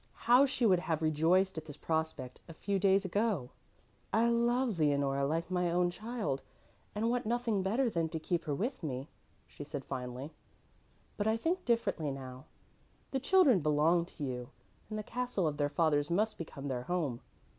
How she would have rejoiced at this prospect a few days ago! "I love Leonore like my own child and wanted nothing better than to keep her with me," she said finally, "but I think differently now. The children belong to you, and the castle of their fathers must become their home.